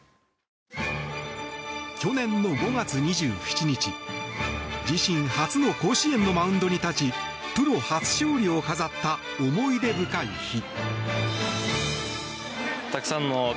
去年の５月２７日自身初の甲子園のマウンドに立ちプロ初勝利を飾った思い出深い日。